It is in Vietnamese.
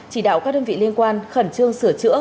chỉ đạo các đơn vị liên quan khẩn trương sửa chữa